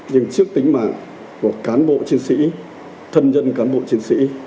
nhưng trước tính mạng của cán bộ chiến sĩ thân dân cán bộ chiến sĩ